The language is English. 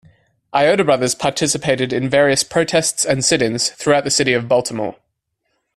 Iota brothers participated in various protests and sit-ins throughout the city of Baltimore.